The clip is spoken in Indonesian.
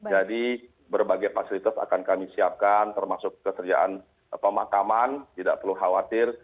jadi berbagai fasilitas akan kami siapkan termasuk keterjaan pemakaman tidak perlu khawatir